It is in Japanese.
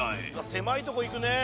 狭いとこ行くねぇ。